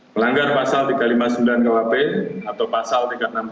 melanggar pasal tiga ratus lima puluh sembilan kwp atau pasal tiga ratus enam puluh